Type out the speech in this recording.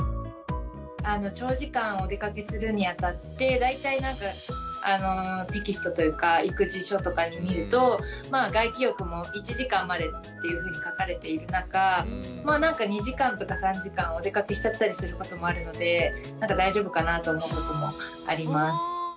長時間おでかけするにあたって大体テキストというか育児書とか見ると外気浴も１時間までっていうふうに書かれている中２時間とか３時間おでかけしちゃったりすることもあるので大丈夫かなと思うこともあります。